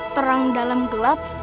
terang dalam gelap